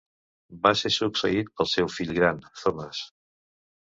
Va ser succeït pel seu fill gran, Thomas.